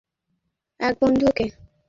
আর আমি হারিয়েছি এক বন্ধুকে।